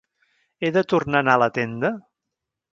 He de tornar a anar a la tenda?